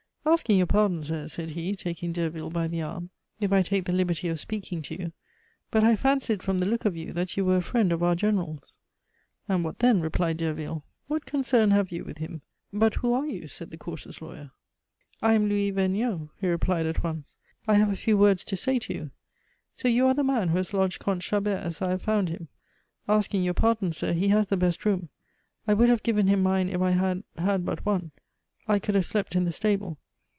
"Asking your pardon, sir," said he, taking Derville by the arm, "if I take the liberty of speaking to you. But I fancied, from the look of you, that you were a friend of our General's." "And what then?" replied Derville. "What concern have you with him? But who are you?" said the cautious lawyer. "I am Louis Vergniaud," he replied at once. "I have a few words to say to you." "So you are the man who has lodged Comte Chabert as I have found him?" "Asking your pardon, sir, he has the best room. I would have given him mine if I had had but one; I could have slept in the stable.